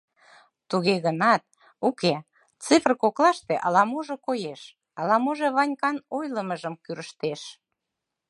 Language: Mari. Туге гынат... уке, цифр коклаште ала-можо коеш, ала-можо Ванькан ойлымыжым кӱрыштеш.